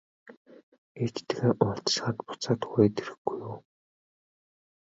Ээжтэйгээ уулзчихаад буцаад хүрээд ирэхгүй юу?